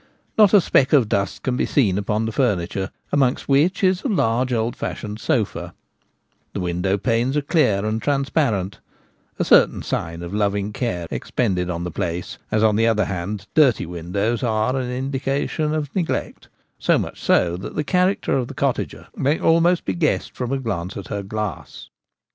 Not a speck of dust can be seen upon the furniture, amongst which is a large old fashioned sofa: the window panes are clear and transparent — a certain sign of loving care expended on the place, as on the other hand dirty windows are an indication of neglect, so much so that the character of the cottager may almost be guessed from a glance at her glass.